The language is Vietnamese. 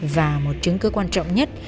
và một chứng cứ quan trọng nhất